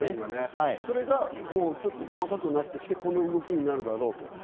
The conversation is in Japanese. それがちょっと細かくなってきて、この動きになるだろうと。